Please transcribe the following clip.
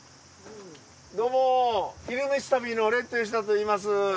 どうも「昼めし旅」のレッド吉田といいます。